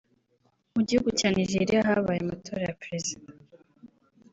Mu gihugu cya Nigeriya habaye amatora ya perezida